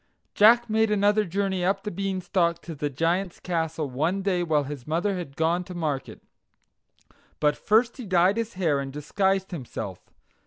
Jack made another journey up the Beanstalk to the Giant's castle one day while his mother had gone to market; but first he dyed his hair and disguised himself.